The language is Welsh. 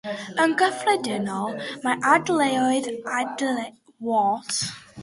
Yn gyffredinol, mae ardaloedd adeiledig y dref wedi'u gwasgaru ar hyd ffyrdd bach.